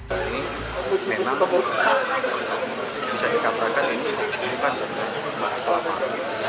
hal ini memang bisa dikatakan ini bukan kematian kelaparan